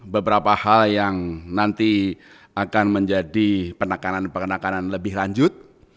beberapa hal yang nanti akan menjadi penekanan penekanan lebih lanjut